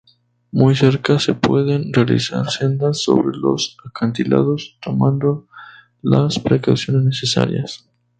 Muy cerca se pueden realizar sendas sobre los acantilados tomando las precauciones necesarias.